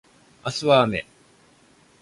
明日は雨